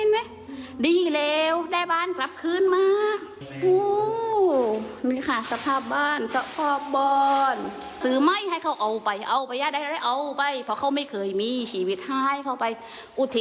อุทิศนี่นะผู้ตรงตั้งวัคอุทิศสวรรคุสรให้แก้ผู้ยากไรชีวิตไม่เคยมีเขิดมาไม่เคยเจอก็หายเข้าไว้